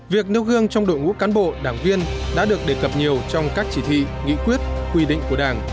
việc nêu gương trong đội ngũ cán bộ đảng viên đã được đề cập nhiều trong các chỉ thị nghị quyết quy định của đảng